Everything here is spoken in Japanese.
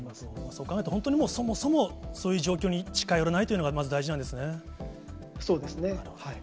そう考えると、そもそもそういう状況に近寄らないというのが、まず大事なんですそうですね。